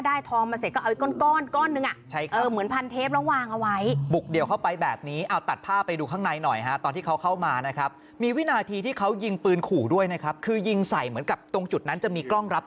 ได้ทองมาเสร็จก็เอาก้อนก้อนนึง